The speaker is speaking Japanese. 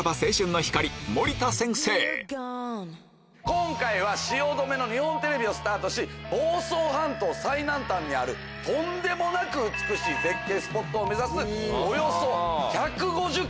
今回は汐留の日本テレビをスタートし房総半島最南端にあるとんでもなく美しい絶景スポットを目指す。